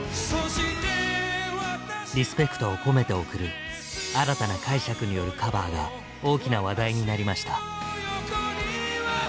リスペクトを込めて贈る新たな解釈によるカバーが大きな話題になりました。